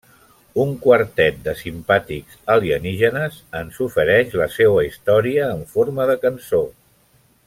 Un quartet de simpàtics alienígenes ens ofereix la seua història en forma de cançó.